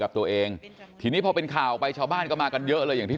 กับตัวเองทีนี้พอเป็นข่าวไปชาวบ้านก็มากันเยอะเลยอย่างที่